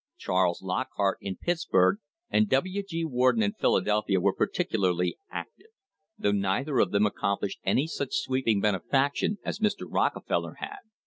Charles Lockhart in Pittsburg and W. G. Warden in Philadelphia were particularly active, though neither of them accomplished any such sweeping benefaction as Mr. Rocke feller had.